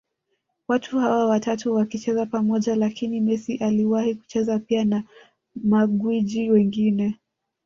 watu hawa watatu wakicheza pamoja Lakini Messi aliwahi kuchezaji pia na magwiji wengine